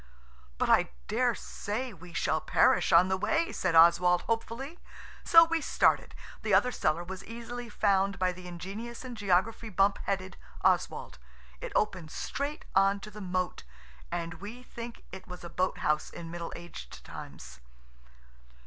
"But I daresay we shall perish on the way," said Oswald hopefully. So we started. The other cellar was easily found by the ingenious and geography bump headed Oswald. It opened straight on to the moat, and we think it was a boathouse in middle aged times.